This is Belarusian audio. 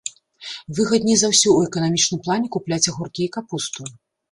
Выгадней за ўсё ў эканамічным плане купляць агуркі і капусту.